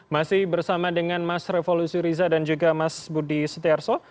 masih bersama dengan mas revolusi riza dan juga mas budi setiarso